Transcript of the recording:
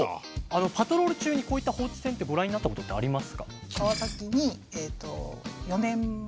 パトロール中にこういった放置船ってご覧になったことってありますか？